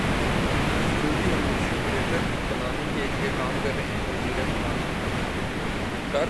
security اور معیشت بہتر بنانے کیلئے کام کر رہے ہیںوزیر خزانہ